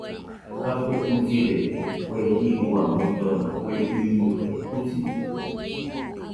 Café usirede kue jirua muidona kue iɨfe uside.